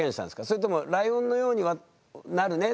それとも「ライオンのようになるね」